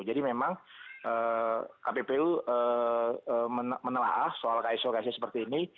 jadi memang kppu menelah soal kso ks seperti ini